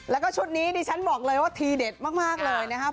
แล้วก็ชุดนี้ดิฉันบอกเลยว่าทีเด็ดมากเลยนะครับ